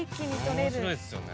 面白いですよね。